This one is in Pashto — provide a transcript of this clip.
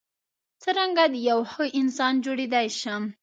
څرنګه یو ښه انسان جوړیدای شم.